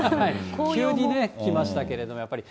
急にね、来ましたけれども。やっぱり。